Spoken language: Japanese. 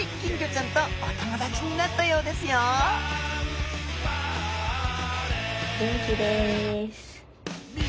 ちゃんとお友達になったようですよ元気です。